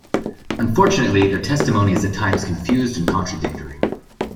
Unfortunately, their testimony is at times confused and contradictory.